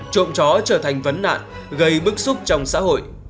trộm chó trở thành vấn nạn gây bức xúc trong xã hội